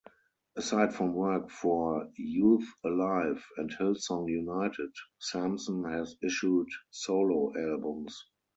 Aside from work for Youth Alive and Hillsong United, Sampson has issued solo albums.